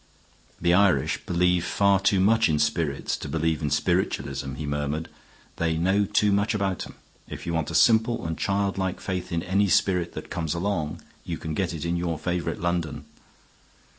"The Irish believe far too much in spirits to believe in spiritualism," he murmured. "They know too much about 'em. If you want a simple and childlike faith in any spirit that comes along you can get it in your favorite London."